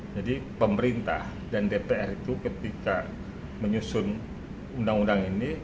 jadi pemerintah dan dpr itu ketika menyusun undang undang ini